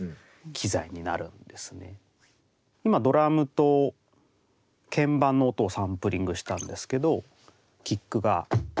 今ドラムと鍵盤の音をサンプリングしたんですけどキックが。